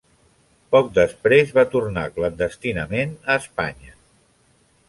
Poc després va tornar clandestinament a Espanya.